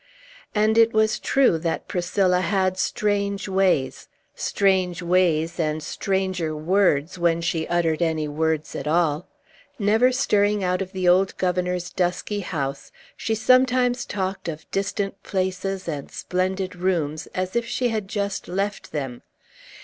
And it was true that Priscilla had strange ways; strange ways, and stranger words, when she uttered any words at all. Never stirring out of the old governor's dusky house, she sometimes talked of distant places and splendid rooms, as if she had just left them.